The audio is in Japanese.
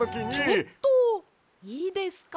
ちょっといいですか？